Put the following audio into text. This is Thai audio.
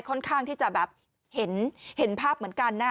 ค่อนข้างที่จะแบบเห็นภาพเหมือนกันนะ